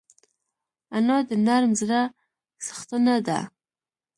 انا د نرم زړه څښتنه ده